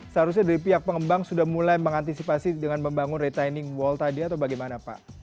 seharusnya dari pihak pengembang sudah mulai mengantisipasi dengan membangun retaining wall tadi atau bagaimana pak